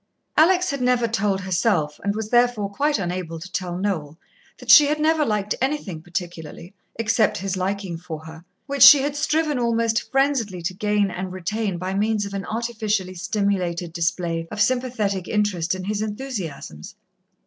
Alex had never told herself, and was therefore quite unable to tell Noel, that she had never liked anything particularly, except his liking for her, which she had striven almost frenziedly to gain and retain by means of an artificially stimulated display of sympathetic interest in his enthusiasms.